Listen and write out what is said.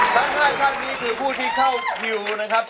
สัก๕ครั้งนี้คือผู้ที่เข้าผิวนะครับ